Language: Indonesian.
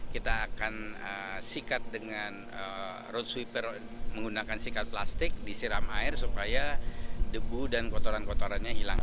kita akan sikat dengan road sweeper menggunakan sikat plastik disiram air supaya debu dan kotoran kotorannya hilang